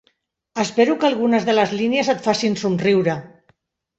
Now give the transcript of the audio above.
Espero que algunes de les línies et facin somriure.